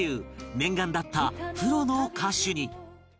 念願だったプロの歌手に